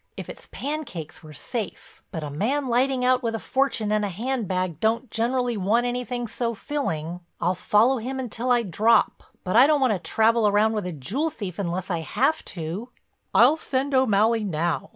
If it's pancakes we're safe, but a man lighting out with a fortune in a handbag don't generally want anything so filling. I'll follow him until I drop, but I don't want to travel round with a jewel thief unless I have to." "I'll send O'Malley now.